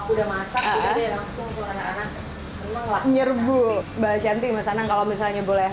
udah masak udah langsung karena anak anak nyambung nyerebu bahasanti masana kalau misalnya boleh